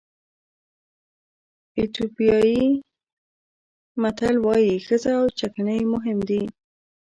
ایتیوپیایي متل وایي ښځه او چکنۍ مهم دي.